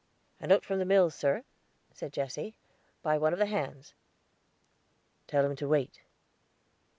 "A note from the mills, sir," said Jesse, "by one of the hands." "Tell him to wait."